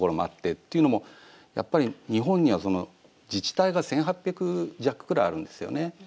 っていうのもやっぱり日本には自治体が１，８００弱くらいあるんですよね。